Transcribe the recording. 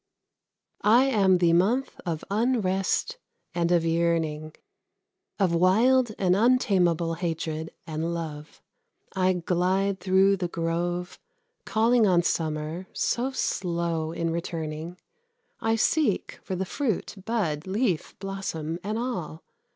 I am the month of unrest and of yearning, Of wild and untamable hatred and love. I glide through the grove, Calling on Summer, so slow in returning. I seek for the fruit, bud, leaf, blossom and all.